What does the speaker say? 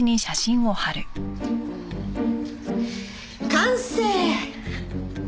完成！